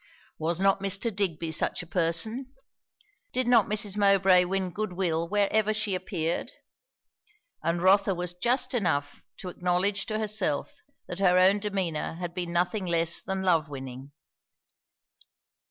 Was not Mr. Digby such a person? did not Mrs. Mowbray win good will wherever she appeared? and Rotha was just enough to acknowledge to herself that her own demeanour had been nothing less than love winning.